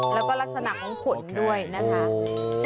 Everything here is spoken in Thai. แล้วก็ลักษณะของฝนด้วยนะคะ